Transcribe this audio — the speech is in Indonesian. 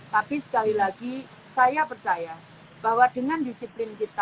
tapi sekali lagi saya percaya bahwa dengan disiplin kita